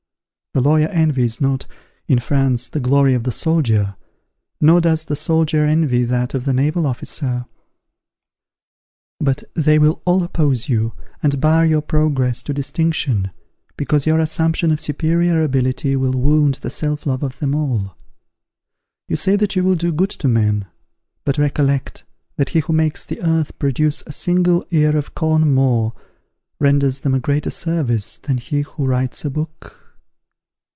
The lawyer envies not, in France, the glory of the soldier, nor does the soldier envy that of the naval officer; but they will all oppose you, and bar your progress to distinction, because your assumption of superior ability will wound the self love of them all. You say that you will do good to men; but recollect, that he who makes the earth produce a single ear of corn more, renders them a greater service than he who writes a book.